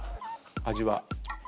味は？